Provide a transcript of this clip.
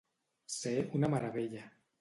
Ser una meravella.